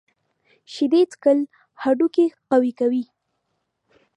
شیدې څښل هډوکي قوي کوي.